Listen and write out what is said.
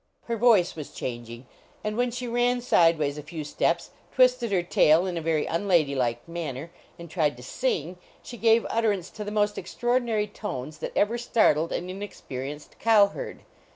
Her voice was changing, and when she ran sideways a few steps, twisted her tail in a very unlady like manner, and tried to sing, she gave ut terance to the most extraordinary tones that ever startled an inexperienced cow herd.